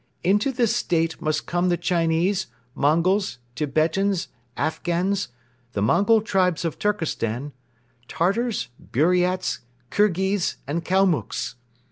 Into this State must come the Chinese, Mongols, Tibetans, Afghans, the Mongol tribes of Turkestan, Tartars, Buriats, Kirghiz and Kalmucks.